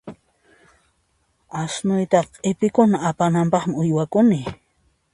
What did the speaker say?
Asnuyta q'ipikuna apananpaqmi uywakuni.